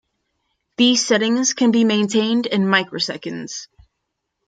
These settings can be maintained in microseconds.